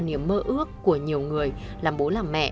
niềm mơ ước của nhiều người làm bố làm mẹ